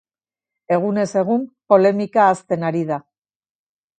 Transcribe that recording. Egunez egun polemika hazten ari da.